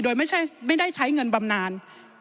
โดยไม่ได้ใช้เงินบำนาน